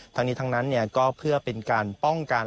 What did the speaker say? ทั้งนี้ทั้งนั้นก็เพื่อเป็นการป้องกัน